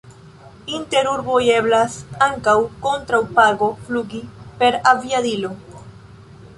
Inter urboj eblas ankaŭ kontraŭ pago flugi per aviadilo.